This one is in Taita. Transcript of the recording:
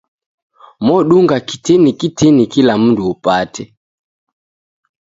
modunga kitini kitini kula mundu upate.